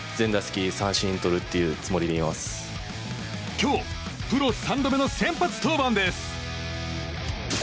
今日プロ３度目の先発登板です。